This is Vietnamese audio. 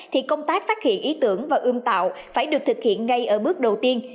thì công tác phát hiện ý tưởng và ươm tạo phải được thực hiện ngay ở bước đầu tiên